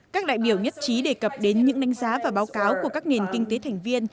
các đại biểu nhất trí đề cập đến những đánh giá và báo cáo của các nền kinh tế thành viên